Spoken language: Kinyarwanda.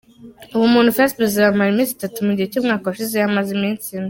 Ubumuntu Festival izamara iminsi itatu mu gihe iy’umwaka washize yamaze iminsi ine.